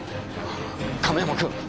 亀山君！